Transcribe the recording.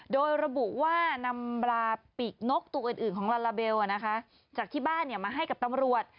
โดยระบุว่านำปลาปีกนกตัวอื่นของลาลาเบลจากที่บ้านมาให้กับตำรวจ